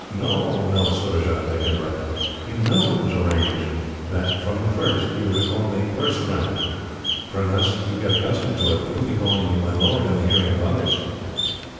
"No, no, Surajah," Dick interrupted. "You know it was arranged that, from the first, you were to call me Purseram, for unless you get accustomed to it, you will be calling me 'my lord' in the hearing of others."